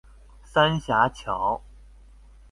三峽橋